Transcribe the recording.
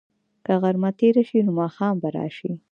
که غرمه تېره شي، نو ماښام به راشي.